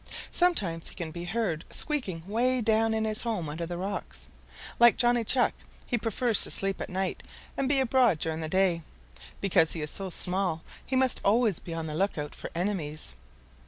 Sometimes he can be heard squeaking way down in his home under the rocks. Like Johnny Chuck, he prefers to sleep at night and be abroad during the day. Because he is so small he must always be on the lookout for enemies.